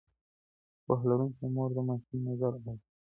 پوهه لرونکې مور د ماشوم نظر اوري.